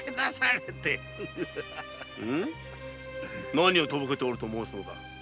何をとぼけておると申すのだ？